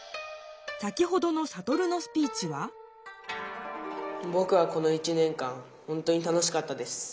先ほどのサトルのスピーチは「ぼくはこの１年間本当に楽しかったです。